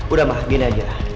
udah mah gini aja